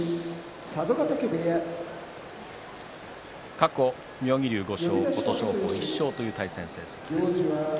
過去妙義龍５勝琴勝峰１勝という対戦成績です。